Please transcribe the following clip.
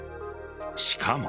しかも。